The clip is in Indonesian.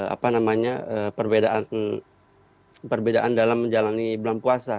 apa namanya perbedaan dalam menjalani bulan puasa